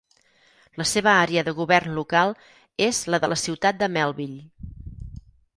La seva àrea de govern local és la de la ciutat de Melville.